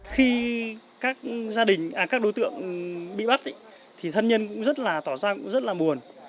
khi các đối tượng bị bắt thì thân nhân cũng rất là tỏ ra rất là buồn